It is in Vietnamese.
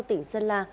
tỉnh sơn la